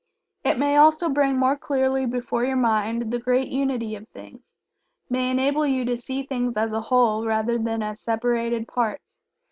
It may also bring more clearly before your mind the great Unity of things may enable you to see things as a Whole, rather than as separated parts.